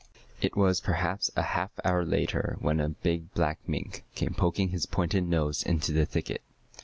It was perhaps a half hour later when a big black mink came poking his pointed nose into the thicket.